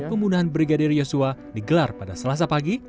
pembunuhan brigadir yosua digelar pada selasa pagi